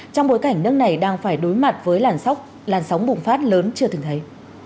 trong bối cảnh nước này đang phải đối mặt với làn sóng bùng phát lớn chưa từng thấy